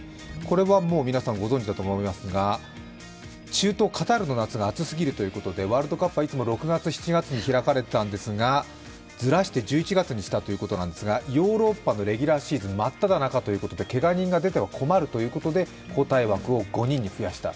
中東カタールの夏が暑すぎるということで、ワールドカップは６月、７月に開かれていたんですがずらして１１月にしたということなんですがヨーロッパのシーズン真っただ中ということで、けが人が出ては困るということで、交代枠を５人に増やした。